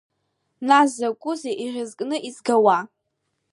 Нас закәызеи иӷьазкны изгауа?